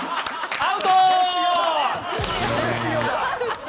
アウト？